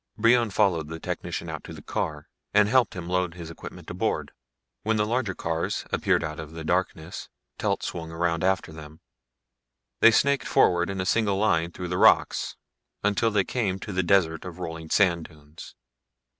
Brion followed the technician out to the car and helped him load his equipment aboard. When the larger cars appeared out of the darkness, Telt swung around after them. They snaked forward in a single line through the rocks, until they came to the desert of rolling sand dunes.